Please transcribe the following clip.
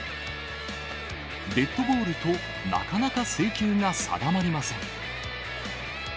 デッドボールと、なかなか制球が定まりません。